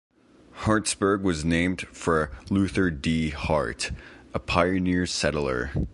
Hartsburg was named for Luther D. Hart, a pioneer settler.